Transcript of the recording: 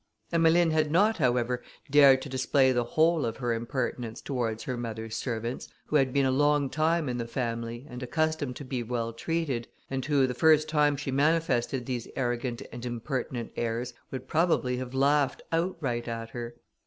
Emmeline had not, however, dared to display the whole of her impertinence towards her mother's servants, who had been a long time in the family, and accustomed to be well treated, and who, the first time she manifested these arrogant and impertinent airs, would probably have laughed outright at her.